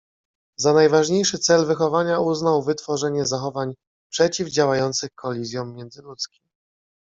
Za najważniejszy cel wychowania uznał wytworzenie zachowań przeciwdziałających kolizjom międzyludzkim